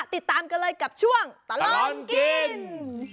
ติดตามกันเลยกับช่วงตลอดกิน